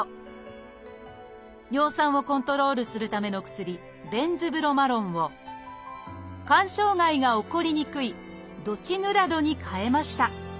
尿酸をコントロールするための薬「ベンズブロマロン」を肝障害が起こりにくい「ドチヌラド」に替えました。